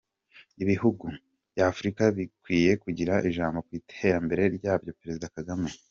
Ibihugu by’Afurika bikwiye kugira ijambo ku iterambere ryabyo Perezida Kagame